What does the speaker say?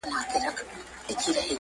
له خشونت بل فکر مه ور اچوئ